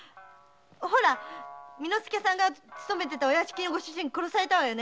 ほら巳之助さんが勤めてたお屋敷のご主人殺されたわよね。